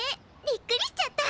びっくりしちゃった。